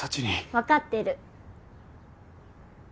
分かってる。